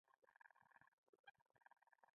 ښکلا د سادهګۍ سره لا ډېره ځلېږي.